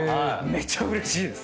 めっちゃうれしいです。